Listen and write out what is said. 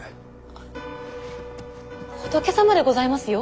あ仏様でございますよ。